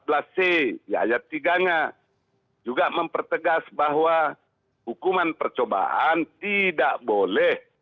di ayat tiganya juga mempertegas bahwa hukuman percobaan tidak boleh